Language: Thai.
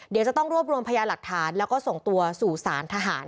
เดี๋ยวจะต้องรวบรวมพยาหลักฐานแล้วก็ส่งตัวสู่สารทหาร